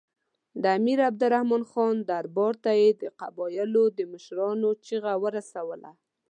د امیر عبدالرحمن خان دربار ته یې د قبایلو د مشرانو چیغه ورسوله.